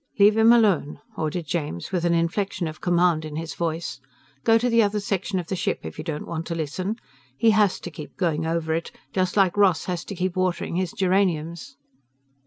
"Leave him alone," ordered James with an inflection of command in his voice. "Go to the other section of the ship if you don't want to listen. He has to keep going over it, just like Ross has to keep watering his geraniums."